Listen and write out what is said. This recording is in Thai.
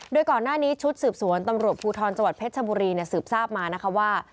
โดยก่อนหน้านี้ชุดสืบสวนตำรวจภูทรจังหวัดเพชรชบุรีสืบทราบมานะคะว่า